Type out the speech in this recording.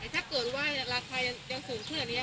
ถ้าเกิดว่าราคายังสูงขึ้นแบบนี้อะค่ะ